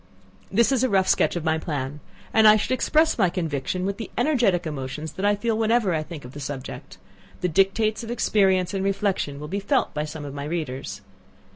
This is a rough sketch of my plan; and should I express my conviction with the energetic emotions that I feel whenever I think of the subject, the dictates of experience and reflection will be felt by some of my readers.